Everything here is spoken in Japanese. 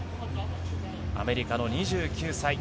アメリカの２９歳。